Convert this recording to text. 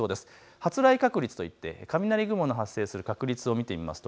発雷確率といって雷雲の発生する確率を見てみましょう。